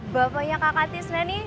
bapaknya kakak tisnani